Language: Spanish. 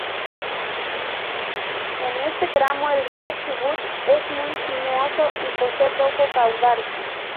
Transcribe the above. En este tramo el río Chubut, es muy sinuoso y posee poco caudal.